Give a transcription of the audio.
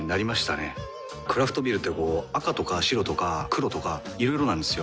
クラフトビールってこう赤とか白とか黒とかいろいろなんですよ。